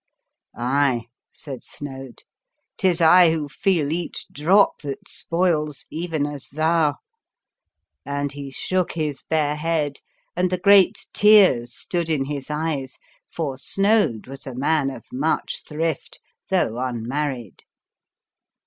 ''" Aye," said Snoad, " 'tis I who feel each drop that spoils, even as thou," and he shook his bare head, and the great tears stood in his eyes, for Snoad was a man of much thrift, though unmarried.